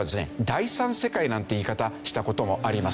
「第３世界」なんて言い方した事もあります。